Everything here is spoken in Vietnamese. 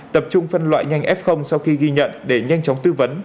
tập trung phân loại nhanh f sau khi ghi nhận để nhanh chóng tư vấn